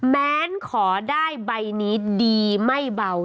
แม้นขอได้ใบนี้ดีไม่เบา